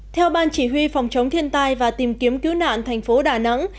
theo ban chỉ huy phòng chống thiên tai và tìm kiếm cứu nạn thành phố đà nẵng